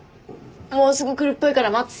もうすぐ来るっぽいから待つ。